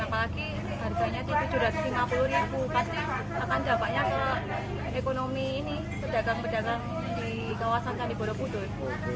apalagi harganya itu rp tujuh ratus lima puluh pasti akan dampaknya ke ekonomi ini pedagang pedagang di kawasan candi borobudur